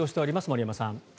森山さん。